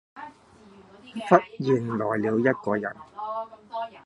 忽然來了一個人；